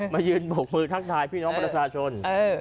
มายืนบกมือทักทายพี่น้องประชาชน